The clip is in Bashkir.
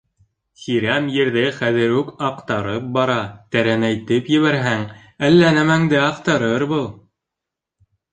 Сирәм ерҙе хәҙер үк аҡтарып бара, тәрәнәйтеп ебәрһәң, әллә нәмәңде аҡтарыр был...